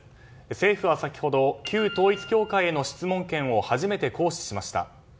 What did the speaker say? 政府は先ほど旧統一教会への質問権を初めて行使しました。